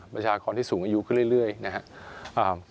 ประชากรที่สูงอายุขึ้นเรื่อยนะครับ